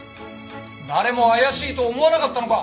誰も怪しいと思わなかったのか？